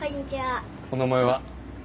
お名前は？